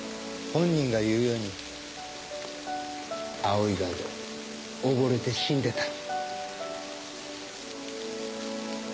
本人が言うように葵川で溺れて死んでた。